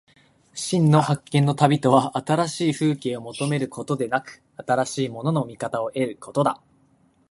真の発見の旅とは、新しい風景を求めることでなく、新しいものの見方を得ることだ。